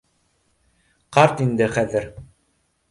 Ҡарт инде хәҙер